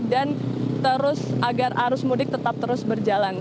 dan agar arus mudik tetap terus berjalan